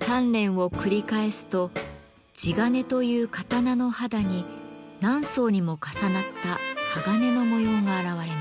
鍛錬を繰り返すと地鉄という刀の肌に何層にも重なった鋼の模様が現れます。